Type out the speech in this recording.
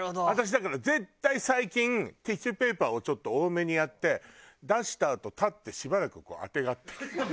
私だから絶対最近ティッシュペーパーをちょっと多めにやって出したあと立ってしばらくあてがってる。